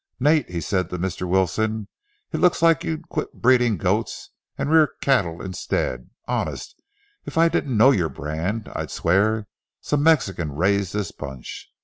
"Nate," said he to Mr. Wilson, "it looks like you'd quit breeding goats and rear cattle instead. Honest, if I didn't know your brand, I'd swear some Mexican raised this bunch.